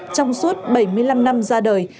trong suốt bảy mươi năm năm ra đời